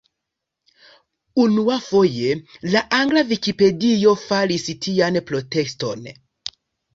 Unuafoje la Angla Vikipedio faris tian proteston.